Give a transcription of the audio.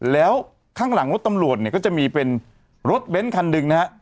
แล้วข้างหลังรถตำรวจเนี่ยก็จะมีเป็นรถเบ้นคันหนึ่งนะฮะ